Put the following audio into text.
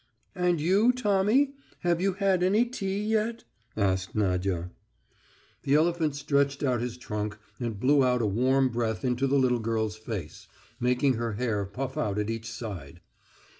"And you, Tommy, have you had any tea yet?" asked Nadya. The elephant stretched out his trunk and blew out a warm breath into the little girl's face, making her hair puff out at each side.